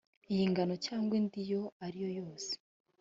iy ingano cyangwa indi iyo ari yo yose